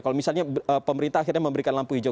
kalau misalnya pemerintah akhirnya memberikan lampu hijau